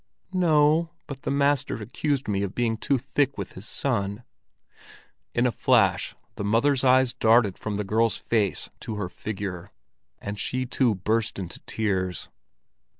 "No, but the master accused me of being too thick with his son." In a flash the mother's eyes darted from the girl's face to her figure, and she too burst into tears.